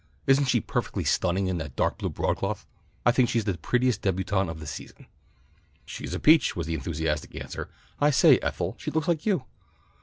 Isn't she perfectly stunning in that dark blue broadcloth? I think she's the prettiest débutante of the season." "She's a peach," was the enthusiastic answer. "I say, Ethel, she looks like you."